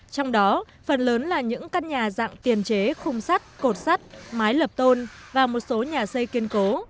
trong đó phần lớn là những căn nhà dạng tiền chế khung sắt cột sắt mái lập tôn và một số nhà xây kiên cố